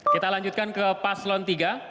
kita lanjutkan ke paslon tiga